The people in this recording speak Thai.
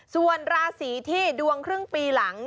ส่วนราศีที่ดวงครึ่งปีหลัง